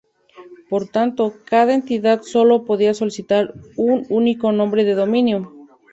Por tanto, cada entidad solo podía solicitar un único nombre de dominio.